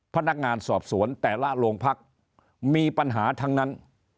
พนักงานสอบสวนแต่ละโรงพักมีปัญหาทั้งนั้น